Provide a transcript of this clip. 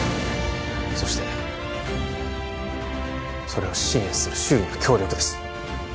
そしてそれを支援する周囲の協力です